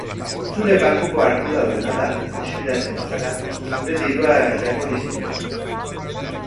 Zure bankuko arduraduna da, deskuidatzen bazara, zure dirua jango dizuna.